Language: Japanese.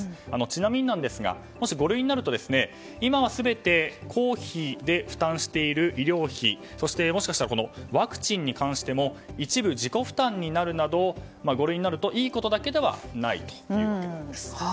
ちなみにですがもし五類になると今は全て公費で負担している医療費そして、もしかしたらワクチンに関しても一部、自己負担になるなど五類になるといいことだけではないということです。